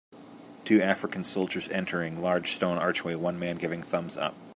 Two African soldiers entering large stone archway one man giving thumb s up